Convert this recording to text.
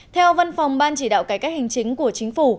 theo văn phòng ban chỉ đạo cải cách hành chính của chính phủ